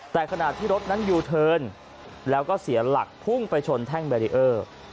แต่ขณะที่รถนั้นยูเทิร์นแล้วก็เสียหลักพุ่งไปชนแท่งแบรีเออร์